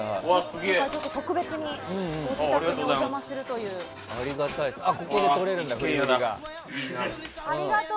特別にご自宅にお邪魔するという。